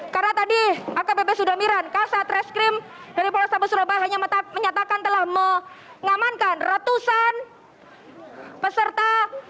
karena tadi akbp sudamiran kasa trashcrim dari polrestabes surabaya hanya menyatakan telah mengamankan ratusan peserta